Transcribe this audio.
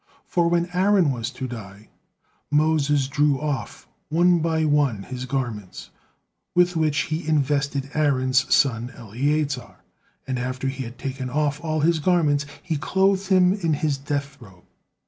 For when Aaron was to die, Moses drew off one by one his garments, with which he invested Aaron's son Eleazar, and after he had taken off all his garments, he clothed him in his death robe.